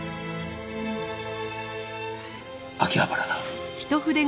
秋葉原だ。